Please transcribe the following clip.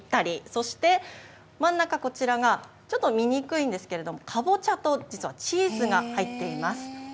そして真ん中、こちらが、ちょっと見にくいんですけれども、かぼちゃと、実はチーズが入っています。